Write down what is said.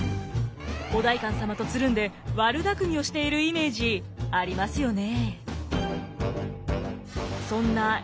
お代官様とつるんで悪だくみをしているイメージありますよね？